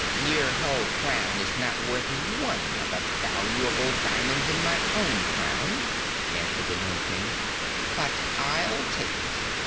"Your whole crown is not worth one of the valuable diamonds in my crown," answered the Nome King, "but I'll take it.